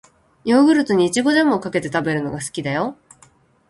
ヨーグルトに、いちごジャムをかけて食べるのが好きだよ。